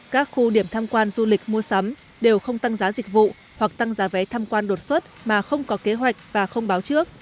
các khu điểm tham quan du lịch mua sắm đều không tăng giá dịch vụ hoặc tăng giá vé tham quan đột xuất mà không có kế hoạch và không báo trước